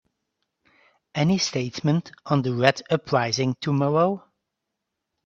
Any statement on the Red uprising tomorrow?